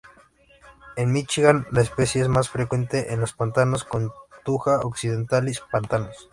En Michigan, la especie es más frecuente en los pantanos con Thuja occidentalis pantanos.